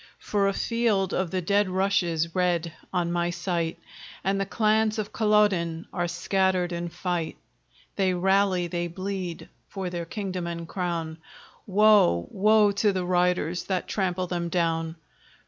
For a field of the dead rushes red on my sight, And the clans of Culloden are scattered in fight. They rally, they bleed, for their kingdom and crown; Woe, woe to the riders that trample them down!